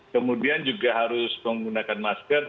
kemudian juga harus menggunakan masker